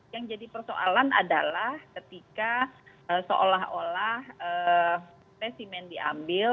yang jadi persoalan adalah ketika seolah olah tesimen diambil